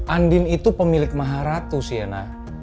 andin itu pemilik maha ratu sih ana